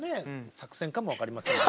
作戦かも分かりません。